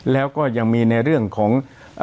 แล้วก็ยังมีในเรื่องของ